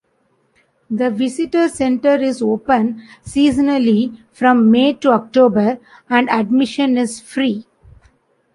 The Visitor Center is open seasonally from May to October, and admission is free.